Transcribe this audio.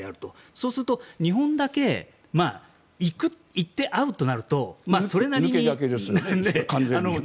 そうすると、日本だけ行って会うとなると抜け駆けですね。